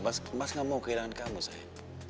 mas nggak mau kehilangan kamu sayang